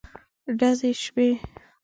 ډزې شوې.